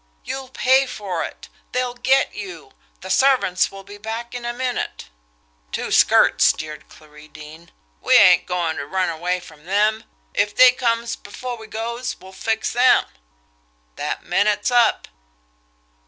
You'll pay for it! They'll get you! The servants will be back in a minute." "Two skirts!" jeered Clarie Deane. "We ain't goin' ter run away from them. If they comes before we goes, we'll fix 'em. That minute's up!"